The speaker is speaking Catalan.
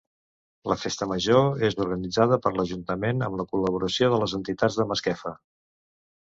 La Festa Major és organitzada per l'Ajuntament amb la col·laboració de les entitats de Masquefa.